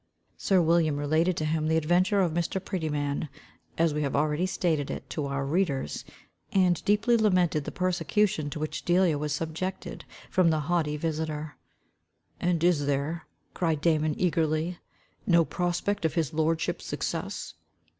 Sir William related to him the adventure of Mr. Prettyman, as we have already stated it to our readers, and deeply lamented the persecution to which Delia was subjected from the haughty victor. "And is there," cried Damon eagerly, "no prospect of his lordship's success?"